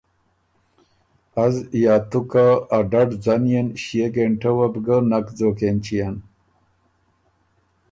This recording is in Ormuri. از یا تُو که ا ډډ ځنيېن ݭيې ګېنټۀ وه بو ګۀ نک ځوک اېنچيېن۔